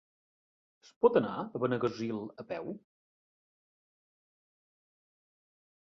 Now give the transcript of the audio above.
Es pot anar a Benaguasil a peu?